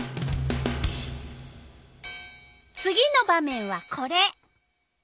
次の場面はこれ。